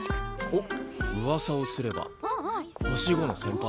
おっ噂をすれば星５の先輩。